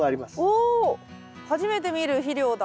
お初めて見る肥料だ。